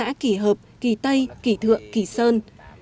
xã kỳ hợp kỳ tây kỳ thượng kỳ sơn